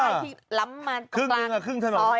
อ่าจำดูที่ล้ำมาครึ่งหนึ่งค่ะครึ่งถนน